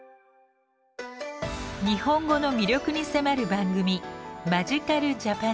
日本語の魅力に迫る番組